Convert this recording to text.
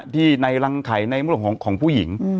ที่ในรังไขในมุมหลวงของผู้หญิง